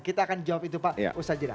kita akan jawab itu pak ustadzera